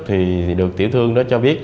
thì được tiểu thương đó cho biết